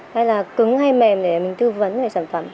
hay là cứng hay mềm để mình tư vấn về sản phẩm